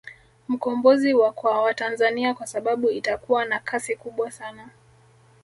Mkombozi wa Kwa watanzania kwa sababu itakua na kasi kubwa sana